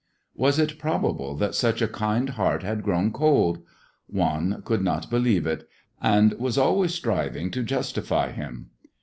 Was it probable that such a kind heart had grown cold? Juan could not believe it, and was always striving to justify him.